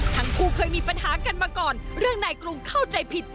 ทั้งคู่เคยมีปัญหากันมาก่อนเรื่องนายกรุงเข้าใจผิด